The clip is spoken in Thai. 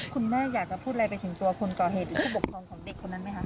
คุณแม่อยากจะพูดอะไรไปถึงตัวคนก่อเหตุหรือผู้ปกครองของเด็กคนนั้นไหมคะ